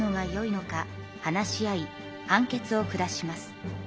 判決を下します。